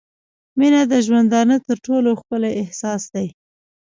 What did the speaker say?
• مینه د ژوندانه تر ټولو ښکلی احساس دی.